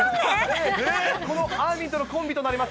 このあーみんとのコンビになります。